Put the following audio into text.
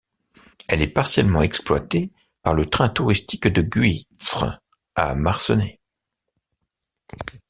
Elle est partiellement exploitée par le Train touristique de Guîtres à Marcenais.